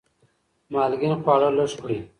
مالګین خواړه لږ کړئ.